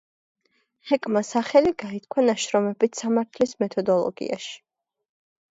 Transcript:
ჰეკმა სახელი გაითქვა ნაშრომებით სამართლის მეთოდოლოგიაში.